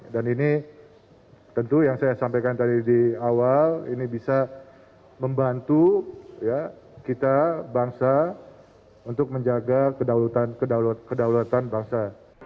dan ini tentu yang saya sampaikan tadi di awal ini bisa membantu kita bangsa untuk menjaga kedaulatan bangsa